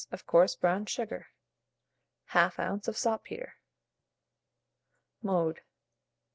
of coarse brown sugar, 1/2 oz. of saltpetre. Mode.